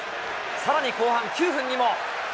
さらに後半９分にも。